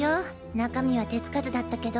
中身は手つかずだったけど。